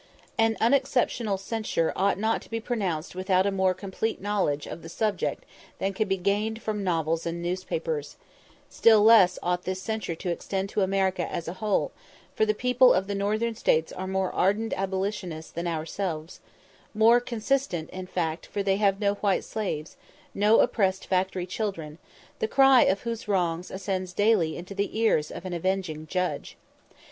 An unexceptional censure ought not to be pronounced without a more complete knowledge of the subject than can be gained from novels and newspapers; still less ought this censure to extend to America as a whole, for the people of the Northern States are more ardent abolitionists than ourselves more consistent, in fact, for they have no white slaves, no oppressed factory children, the cry of whose wrongs ascends daily into the ears of an avenging Judge.